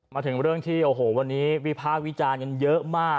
มาถึงเรื่องที่โอ้โหวันนี้วิพากษ์วิจารณ์กันเยอะมาก